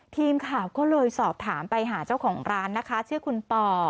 ทีมข่าวก็เลยสอบถามไปหาเจ้าของร้านนะคะชื่อคุณป่อ